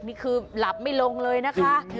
นี่คือหลับไม่ลงเลยนะคะ